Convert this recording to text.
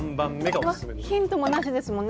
ヒントもなしですもんね？